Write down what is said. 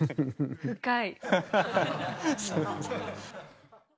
深い。